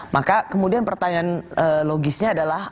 maka kemudian pertanyaan logisnya adalah